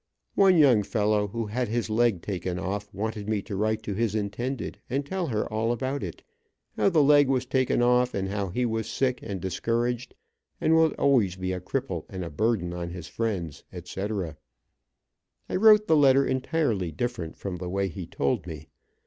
One young fellow who had his leg taken off, wanted me to write to his intended, and tell her all about it, how the leg was taken off, and how he was sick and discouraged, and would always be a cripple and a burden on his friends, etc. I wrote the letter entirely different from the way he told me.